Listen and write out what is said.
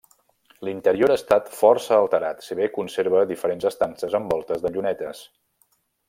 L'interior ha estat força alterat, si bé conserva diferents estances amb voltes de llunetes.